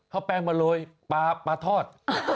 ขอแป้งมาร้อยปลาทอด